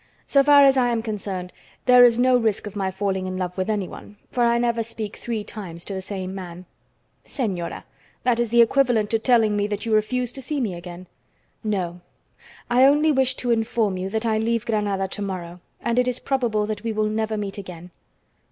So far as I am concerned, there is no risk of my falling in love with anyone, for I never speak three times to the same man." "Señora! That is equivalent to telling me that you refuse to see me again!" "No, I only wish to inform you that I leave Granada to morrow, and it is probable that we will never meet again."